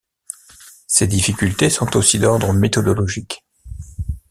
Ces difficultés sont aussi d'ordre méthodologique.